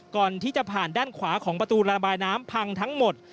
ก่อนที่จะผ่านด้านขวาของประตูระบายน้ำพังทั้งหมด